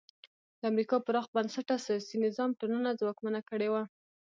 د امریکا پراخ بنسټه سیاسي نظام ټولنه ځواکمنه کړې وه.